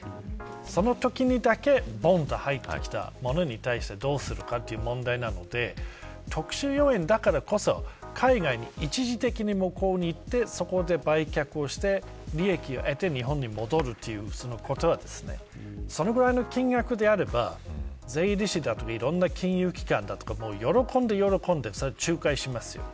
そのときにだけ、ぼんと入ってきたものに対してどうするかという問題なので特殊要因だからこそ海外に一時的に向こうに行ってそこで売却して、利益を得て日本に戻るということはそれぐらいの金額であれば税理士だとかいろんな金融機関だとか喜んで仲介しますよ。